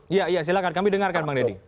iya iya silahkan kami dengarkan bang deddy